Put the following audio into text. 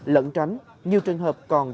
lẫn tránh nhiều trường hợp còn